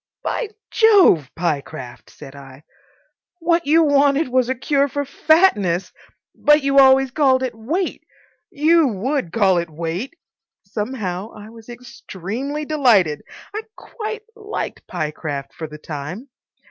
"By Jove, Pyecraft," said I, "what you wanted was a cure for fatness! But you always called it weight. You would call it weight." Somehow I was extremely delighted. I quite liked Pyecraft for the time.